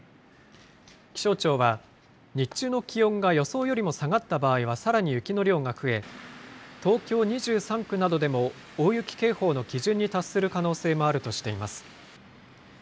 気象庁は、日中の気温が予想よりも下がった場合は、さらに雪の量が増え、東京２３区などでも大雪警報の基準に達する可能性もあるとしています。